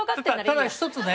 ただ一つね。